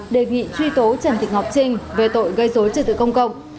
đề nghị truy tố trần thị ngọc trinh về tội gây dối trật tự công cộng